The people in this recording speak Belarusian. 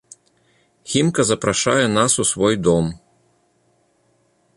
Хімка запрашае нас у свой дом.